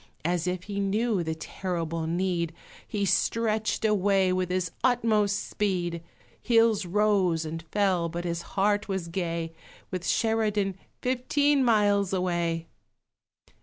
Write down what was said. As if he knew the terrible need, He stretched away with his utmost speed; Hills rose and fell, but his heart was gay, With Sheridan fifteen miles away!